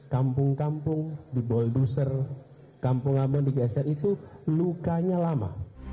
kampung ambon di gsm itu lukanya lama